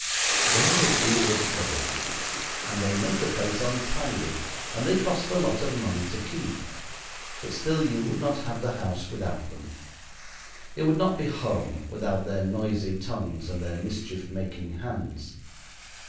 They are a deal of trouble, and they make a place untidy and they cost a lot of money to keep; but still you would not have the house without them. It would not be home without their noisy tongues and their mischief making hands.